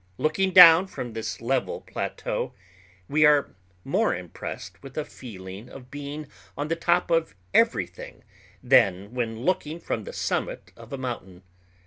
Looking down from this level plateau, we are more impressed with a feeling of being on the top of everything than when looking from the summit of a mountain.